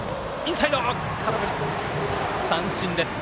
空振り三振です。